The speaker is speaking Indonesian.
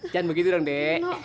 jangan begitu dong dek